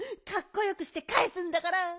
かっこよくしてかえすんだから。